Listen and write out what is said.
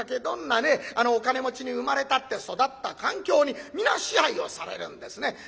どんなねお金持ちに生まれたって育った環境に皆支配をされるんですね。